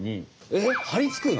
えっはりつくの！？